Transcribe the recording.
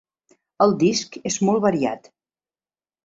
El disc és molt variat.